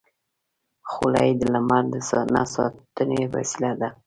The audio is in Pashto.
خولۍ د لمر نه د ساتنې وسیله ده.